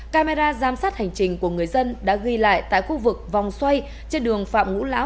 camera giám sát hành trình của người dân đã ghi lại tại khu vực vòng xoay trên đường phạm ngũ lão